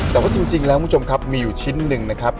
แต่ว่าจริงแล้วคุณผู้ชมครับมีอยู่ชิ้นหนึ่งนะครับ